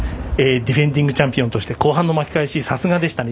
ディフェンディングチャンピオンとして後半の巻き返し、さすがですね。